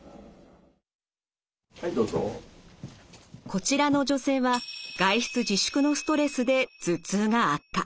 こちらの女性は外出自粛のストレスで頭痛が悪化。